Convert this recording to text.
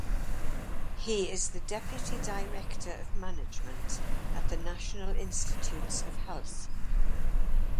He is the deputy director of management at the National Institutes of Health.